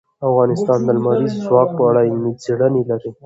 افغانستان د لمریز ځواک په اړه علمي څېړنې لري.